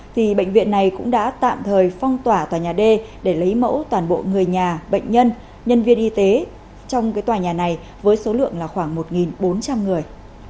thì bệnh viện này cũng đã tạm thời phong tỏa tòa nhà d để lấy mẫu toàn bộ người nhà bệnh nhân nhân viên y tế trong cái tòa nhà này với số lượng là khoảng một bốn trăm linh người